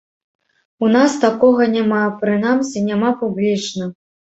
У нас такога няма, прынамсі няма публічна.